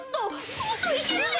もっといけるで！